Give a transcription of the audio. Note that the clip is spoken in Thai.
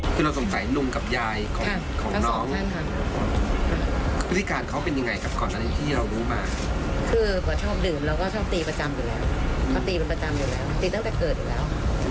มคคุณสงสัยนุ่มกับยายของน้องที่การเขาเป็นยังไงกับก่อนนั้นที่เรารู้มาคือก็ชอบดื่มแล้วก็ชอบตีประจำอยู่แล้วตีประจำอยู่แล้วติดตั้งแต่เกิดอยู่แล้ว